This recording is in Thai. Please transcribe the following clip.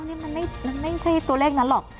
นี่มันไม่ใช่ตัวเลขนั้นหรอก